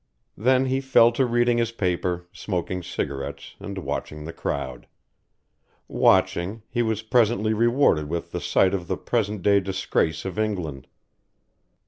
Then he fell to reading his paper, smoking cigarettes, and watching the crowd. Watching, he was presently rewarded with the sight of the present day disgrace of England.